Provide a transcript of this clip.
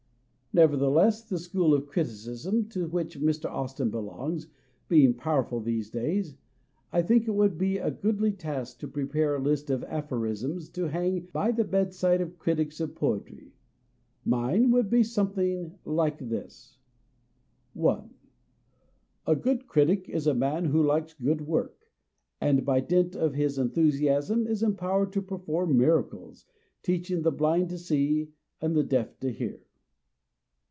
Nevertheless, the school of criticism to which Mr. Austin belongs being powerful these days, I think it would be a goodly task to prepare a list of aphorisms to hang by the bedside of critics of poetry. Mine would be something like this : 1. A good critic is a man who likes good work, and by dint of his enthusiasm is em powered to perform miracles, teaching the blind to see and the deaf to hear.